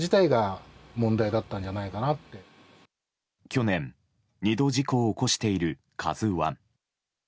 去年、２度事故を起こしている「ＫＡＺＵ１」。